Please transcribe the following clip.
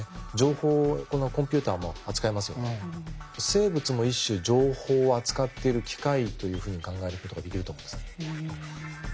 生物も一種情報を扱っている機械というふうに考えることができると思うんですね。